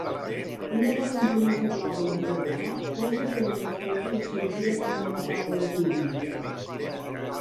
Una dona amb camisa blava i mocador al cap posa per a una foto assegura en una taula de pícnic.